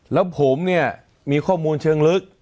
แล้วผมเนี่ยมีข้อมูลเชิงลึก